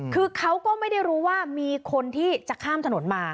คือเขาก็ไม่ได้รู้ว่ามีคนที่จะข้ามถนนมา